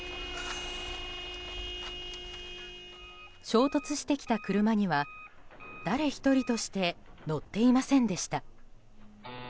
衝突してきた車には誰１人として乗っていませんでした。